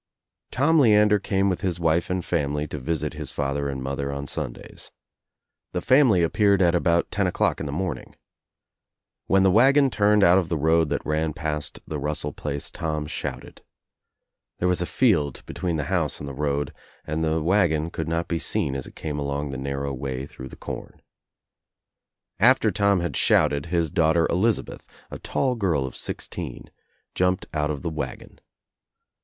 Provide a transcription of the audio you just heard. Tom Leander came with his wife and family to visit his father and mother on Sundays. The family ap peared at about ten o'clock in the morning. When the wagon turned out of the road that ran past the Russell place Tom shouted. There was a field be tween the house and the road and the wagon could not be seen as it came along the narrow way through the com. After Tom had shouted, his daughter Eliz abeth, a tall girl of sixteen, jumped out of the wagon.